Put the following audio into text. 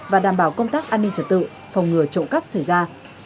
và đảm bảo công tác an ninh trật tự phòng ngừa trộn cấp xảy ra